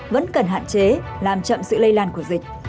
vẫn cần hạn chế làm chậm sự lây lan của dịch